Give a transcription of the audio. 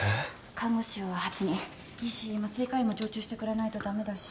看護師は８人技師麻酔科医も常駐してくれないと駄目だし。